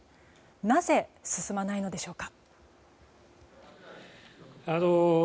なぜ、進まないのでしょうか。